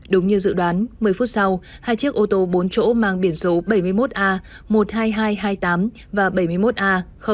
đúng như dự đoán một mươi phút sau hai chiếc ô tô bốn chỗ mang biển số bảy mươi một a một mươi hai nghìn hai trăm hai mươi tám và bảy mươi một a sáu nghìn năm trăm sáu mươi bốn